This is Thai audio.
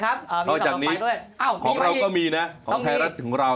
นอกจากนี้ของเราก็มีนะของไทยรัฐของเรา